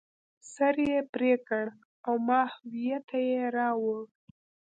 سر یې پرې کړ او ماهویه ته یې راوړ.